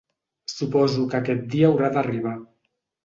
Suposo que aquest dia haurà d’arribar.